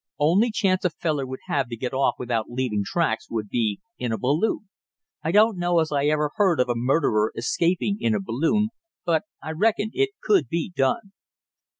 Only chance a feller would have to get off without leaving tracks would be in a balloon; I don't know as I ever heard of a murderer escaping in a balloon, but I reckon it could be done."